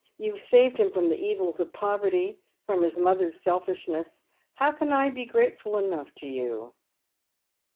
You have saved him from the evils of poverty — from his motlier's selfishness. How can I be grateful enough to you